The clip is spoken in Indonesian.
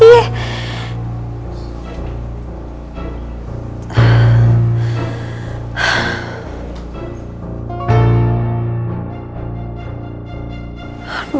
tidak tidak tidak